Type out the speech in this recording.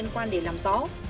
quan để làm rõ